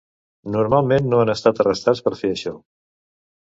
Normalment no han estat arrestats per fer això.